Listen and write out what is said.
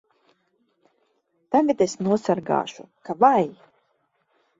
Tagad es nosargāšu ka vai!